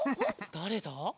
だれだ？